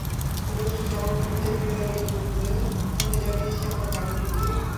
অবশেষে যাবার-মুখো হয়ে ফিরে দাঁড়িয়ে বললে, তোমাকে জানিয়েছি আমার ভাগনীর বিয়ে।